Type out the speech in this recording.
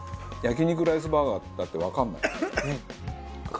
焼肉ライスバーガーだってわかんない。